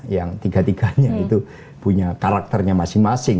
yang tiga tiganya itu punya karakternya masing masing